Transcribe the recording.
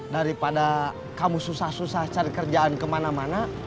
daripada kamu susah susah cari kerjaan kemana mana